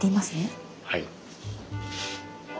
はい。